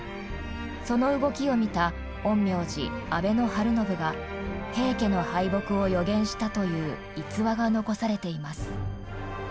その動きを見た陰陽師安倍晴信が平家の敗北を予言したという逸話が残されています。